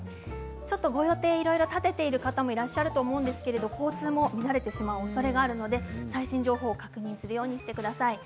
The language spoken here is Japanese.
ちょっとご予定いろいろ立てている方いらっしゃると思うんですけど交通、乱れてしまうおそれがあるので最新情報を確認するようにしてください。